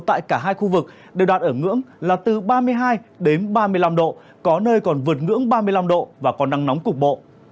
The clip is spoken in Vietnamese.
tại cả hai khu vực đều đạt ở ngưỡng là từ ba mươi hai đến ba mươi năm độ có nơi còn vượt ngưỡng ba mươi năm độ và có nắng nóng cục bộ